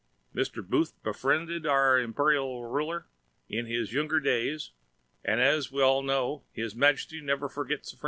Mr. Booth bfrindd Our Imprial Rulr in His youngr days, and, as w all know, His Majsty nvr forgts a frind.